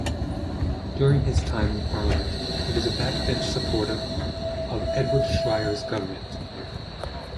During his time in parliament, he was a backbench supporter of Edward Schreyer's government.